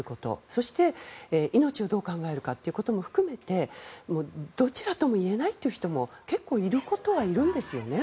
そして命をどう考えるかも含めてどちらともいえないという人も結構いることはいるんですよね